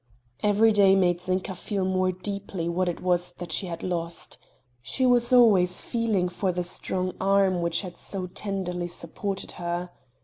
Every day made Zinka feel more deeply what it was that she had lost. She was always feeling for the strong arm which had so tenderly supported her.